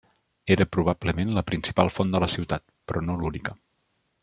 Era probablement la principal font de la ciutat, però no l'única.